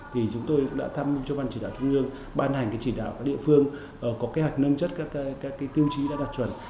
thì chúng tôi đã tham mưu cho ban chỉ đạo trung ương ban hành cái chỉ đạo các địa phương có kế hoạch nâng chất các tiêu chí đã đạt chuẩn